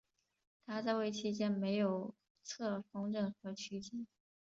他在位期间没有册封任何枢机。